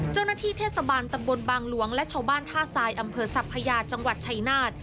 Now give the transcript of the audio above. เจ้าหน้าที่เทศบาลตำบลบางหลวงและชาวบ้านท่าทรายอำเภอสัพพยาจังหวัดชัยนาธ